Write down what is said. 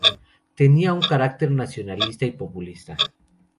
Tenía un carácter nacionalista y populista.